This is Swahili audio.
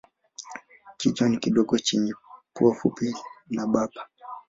Kichwa ni kidogo chenye pua fupi na bapa.